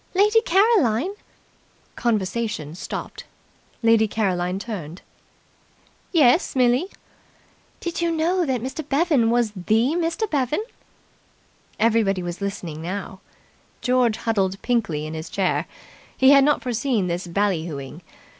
"Lady Caroline." Conversation stopped. Lady Caroline turned. "Yes, Millie?" "Did you know that Mr. Bevan was the Mr. Bevan?" Everybody was listening now. George huddled pinkly in his chair. He had not foreseen this bally hooing.